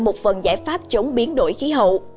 một phần giải pháp chống biến đổi khí hậu